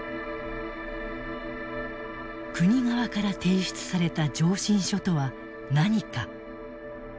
国側から提出された上申書とは何か？